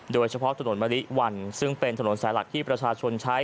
โดยเฉพาะถนนมะลิวันซึ่งเป็นถนนสายหลักที่ประชาชนใช้